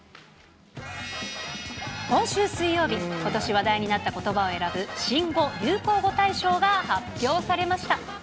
今週水曜日、ことし話題になったことばを選ぶ新語・流行語大賞が発表されました。